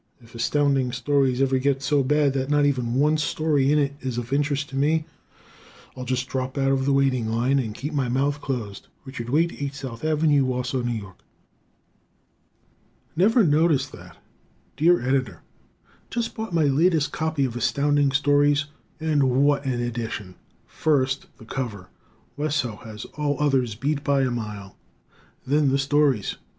If Astounding Stories ever gets so bad that not even one story in it is of interest to me I'll just drop out of the waiting line and keep my mouth closed. Richard Waite, 8 South Ave., Warsaw, N. Y. Never Noticed That Dear Editor: Just bought my latest copy of Astounding Stories, and what an edition! First, the cover (Wesso has all others beat by a mile). Then, the stories.